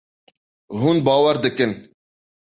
Hûn bawer dikin.